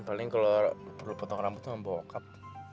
paling kalau perlu potong rambut tuh nggak bawa kak